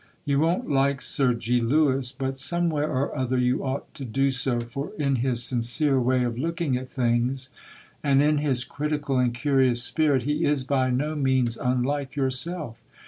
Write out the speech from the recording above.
You won't like Sir G. Lewis, but somewhere or other you ought to do so; for in his sincere way of looking at things and in his critical and curious spirit he is by no means unlike yourself.